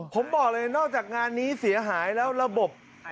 ผมบอกเลยนอกจากงานนี้เสียหายแล้วระบบ